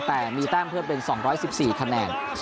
แต่มีแต้มเพิ่มเป็น๒๑๔คะแนน